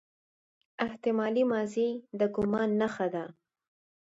احتمالي ماضي د ګومان نخښه ده.